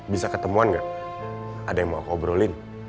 bisa ketemuan gak ada yang mau aku obrolin